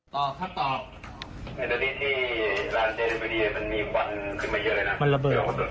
ตอบครับตอบ